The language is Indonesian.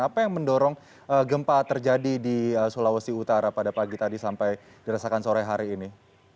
apa yang mendorong gempa terjadi di sulawesi utara pada pagi tadi sampai dirasakan sore hari ini